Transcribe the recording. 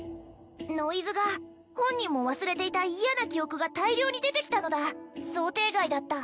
ノイズが本人も忘れていた嫌な記憶が大量に出てきたのだ想定外だった